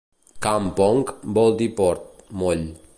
"Kampong" vol dir port, moll.